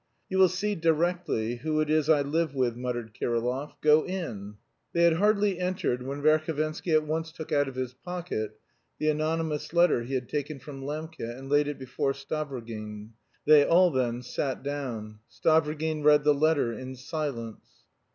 "You will see directly who it is I live with," muttered Kirillov. "Go in." They had hardly entered when Verhovensky at once took out of his pocket the anonymous letter he had taken from Lembke, and laid it before Stavrogin. They all then sat down. Stavrogin read the letter in silence.